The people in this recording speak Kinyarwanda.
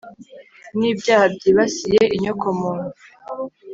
n'ibyaha byibasiye inyoko muntu